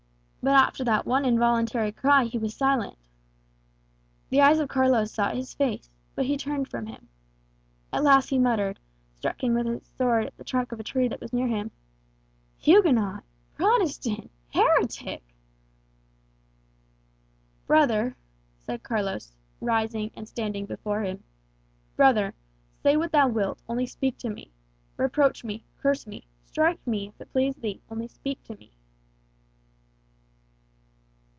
But after that one involuntary cry he was silent. The eyes of Carlos sought his face, but he turned away from him. At last he muttered, striking with his sword at the trunk of a tree that was near him, "Huguenot Protestant heretic!" "Brother," said Carlos, rising and standing before him "brother, say what thou wilt, only speak to me. Reproach me, curse me, strike me, if it please thee, only speak to me."